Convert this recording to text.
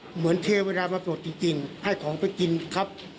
เหมือนเทเวลามาปลดจริงให้ของไปกินครับ